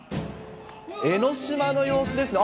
江の島の様子ですね。